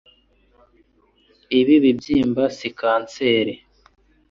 Ibi bibyimba si kanseri